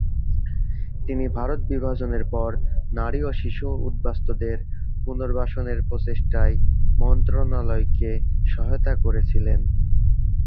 তিনি ভারত বিভাজনের পর নারী ও শিশু উদ্বাস্তুদের পুনর্বাসনের প্রচেষ্টায় মন্ত্রণালয়কে সহায়তা করেছিলেন।